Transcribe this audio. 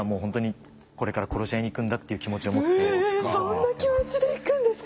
そんな気持ちで行くんですか？